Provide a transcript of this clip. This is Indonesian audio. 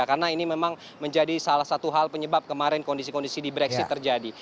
karena ini memang menjadi salah satu hal penyebab kemarin kondisi kondisi di brexit terjadi